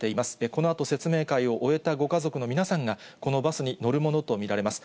このあと、説明会を終えたご家族の皆さんが、このバスに乗るものと見られます。